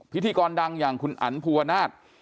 พิธีกรดังอย่างคุณอันภูวนาศ